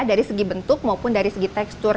dari segi bentuk maupun dari segi tekstur